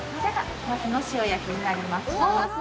マスの塩焼きになりますね。